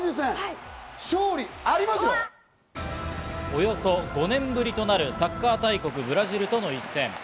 およそ５年ぶりとなるサッカー大国ブラジルとの一戦。